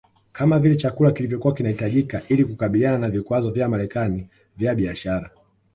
kama vile chakula kilichokua kinahitajika ili kukabiliana na vikwazo vya Marekani vya biashara